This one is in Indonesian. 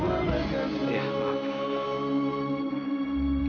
tidak mungkin dan